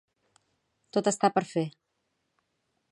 Tot està per fer.